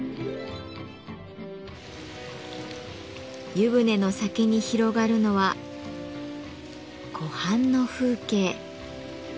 湯船の先に広がるのは湖畔の風景。